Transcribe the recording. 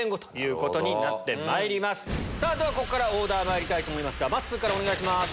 ではここからオーダーまいりますまっすーからお願いします。